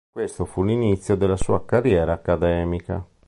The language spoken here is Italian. Questo fu l'inizio della sua carriera accademica.